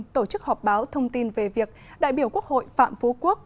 tổ chức họp báo thông tin về việc đại biểu quốc hội phạm phú quốc